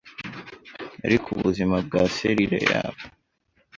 ariko ubuzima bwa selile yawe.